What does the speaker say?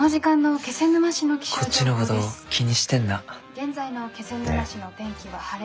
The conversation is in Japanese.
現在の気仙沼市の天気は晴れ。